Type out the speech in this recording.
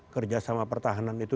kerjasama pertahanan itu